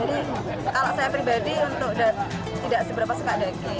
jadi kalau saya pribadi untuk tidak seberapa suka daging